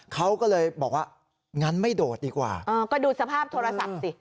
เขาก็เลยบอกว่างั้นไม่โดดดีกว่าก็ดูสภาพโทรศัพท์สิ